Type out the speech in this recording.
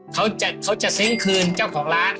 เขาจะเซ้งคืนเจ้าของร้าน